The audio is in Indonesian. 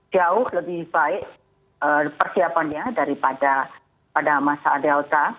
jauh lebih baik persiapannya daripada pada masa delta